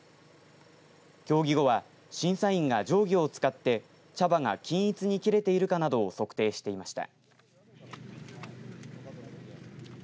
協議後は審査員が定規を使って茶葉が均一に切れているかなどを測定していました。